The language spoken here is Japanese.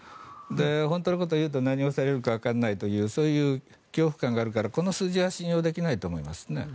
本当のことを言うと何をされるかわからないというそういう恐怖感があるからこの数字は信用できないと思いますね。